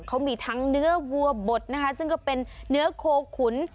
เขามีทั้งเนื้อวัวบดนะคะซึ่งก็เป็นเนื้อโคขุน